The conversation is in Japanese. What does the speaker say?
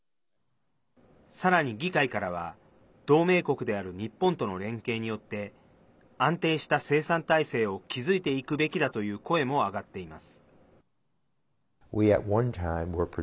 さらに議会からは同盟国である日本との連携によって安定した生産体制を築いていくべきだという声も上がっています。